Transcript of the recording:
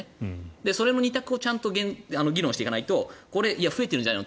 それをちゃんと議論していかないとこれ、増えてるんじゃないの？